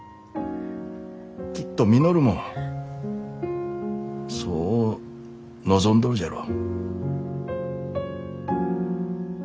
きっと稔もそう望んどるじゃろう。